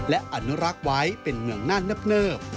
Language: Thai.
และอนุรักษ์ไว้เป็นเมืองน่านเนิบ